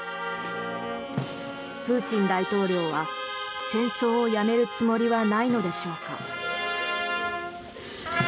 プーチン大統領は戦争をやめるつもりはないのでしょうか。